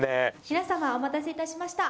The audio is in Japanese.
皆様お待たせいたしました。